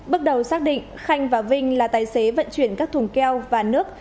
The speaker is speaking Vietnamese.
bước đầu xác định khanh và vinh là tài xế vận chuyển các thùng keo và nước